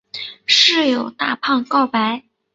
室友大胖告白。